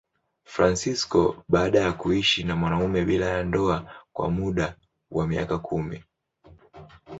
Fransisko baada ya kuishi na mwanamume bila ya ndoa kwa muda wa miaka kumi.